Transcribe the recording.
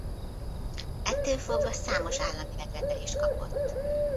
Ettől fogva számos állami megrendelést kapott.